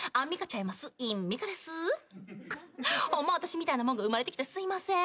私みたいなもんが生まれてきてすいません。